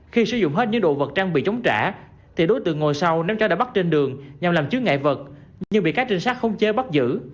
khi sử dụng hết những đồ vật trang bị chống trả thì đối tượng ngồi sau ném chó đã bắt trên đường nhằm làm chứa ngại vật nhưng bị các trinh sát khống chế bắt giữ